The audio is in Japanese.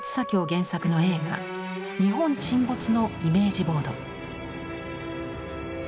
原作の映画「日本沈没」のイメージボード。